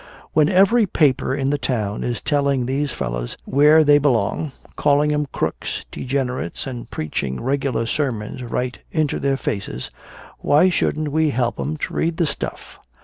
"When every paper in the town is telling these fellers where they belong calling 'em crooks, degenerates, and preaching regular sermons right into their faces why shouldn't we help 'em to read the stuff?